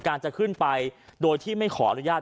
การจะขึ้นไปโดยที่ไม่ขออนุญาต